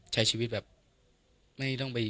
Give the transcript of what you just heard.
ใช้ชีวิตแบบไม่ต้องไปดิ้นล้น